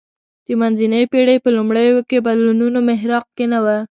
د منځنۍ پېړۍ په لومړیو کې بدلونونو محراق کې نه و